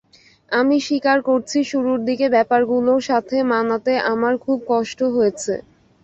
আমি স্বীকার করছি শুরুর দিকে ব্যাপারগুলোর সাথে মানাতে আমার খুব কষ্ট হয়েছে।